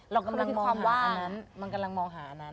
เรากำลังมองหาอันนั้น